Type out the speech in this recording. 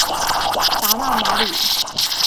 达讷马里。